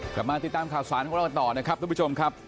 กลับมาติดตามข่าวสารของเรากันต่อนะครับทุกผู้ชมครับ